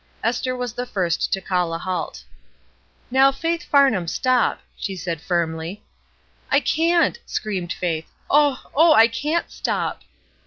Esther was the first to call a halt. " Now, Faith Farnham, stop !" she said firmly. '^ can't!" screamed Faith. "Oh, Oh! I can^t stop